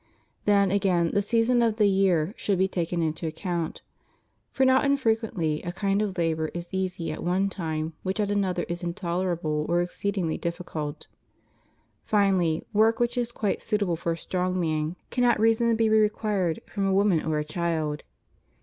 Then, again, the season of the year should be taken into account; for not infrequently a kind of labor is easy at one time which at another is intolerable or exceedingly difficult. Finally, work which is quite suitable for a strong man cannot reasonably be required from a woman or a child.